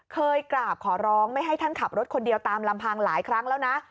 เคยกราบขอร้องไม่ให้ท่านขับรถคนเดียวตามลำพังหลายครั้งแล้วนะ